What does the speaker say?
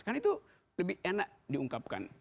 karena itu lebih enak diungkapkan